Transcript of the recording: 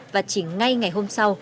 và chỉ ngay ngày hôm sau